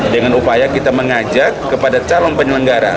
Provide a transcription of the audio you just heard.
dengan upaya kita mengajak kepada calon penyelenggara